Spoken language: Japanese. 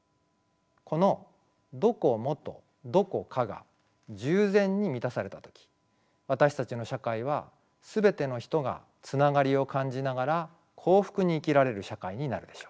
この「どこも」と「どこか」が十全に満たされた時私たちの社会は全ての人がつながりを感じながら幸福に生きられる社会になるでしょう。